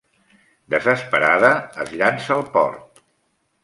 Desesperada, es llança al port.